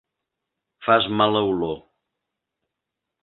Fas mala olor.